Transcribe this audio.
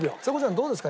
どうですか？